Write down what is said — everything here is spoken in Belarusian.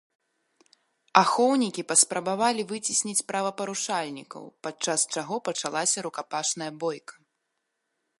Ахоўнікі паспрабавалі выцесніць правапарушальнікаў, падчас чаго пачалася рукапашная бойка.